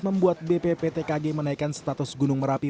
membuat bp pt kg menaikkan status gunung merapi